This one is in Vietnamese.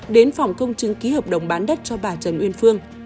đến phòng công chứng ký hợp đồng bán đất cho bà trần uyên phương